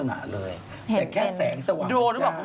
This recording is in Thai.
แค่แสงสว่างขึ้นจากโดรนไหม